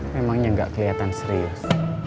memangnya gak keliatan serius